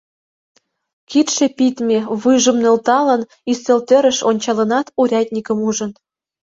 Кидше пидме, вуйжым нӧлталын, ӱстелтӧрыш ончалынат, урядникым ужын.